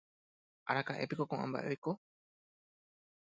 araka’épiko ko’ã mba’e oiko